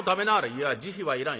「いや慈悲はいらん」。